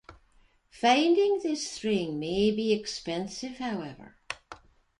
Finding this string may be expensive, however.